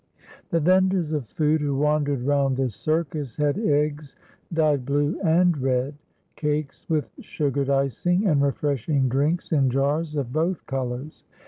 The vendors of food who wandered round the circus had eggs dyed blue and red, cakes with sugared icing, and refreshing drinks in jars of both colors.